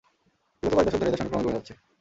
বিগত কয়েক দশক ধরে এদের সংখ্যা ক্রমেই কমে যাচ্ছে।